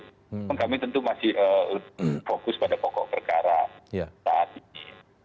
dan kami tentu masih fokus pada pokok perkara saat ini